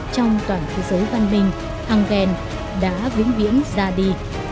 trong toàn thế giới văn minh engel đã vĩnh viễn ra đi